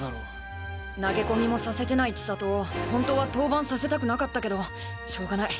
投げ込みもさせてない千里を本当は登板させたくなかったけどしょうがない。